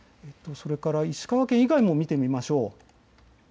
石川県以外も見てみましょう。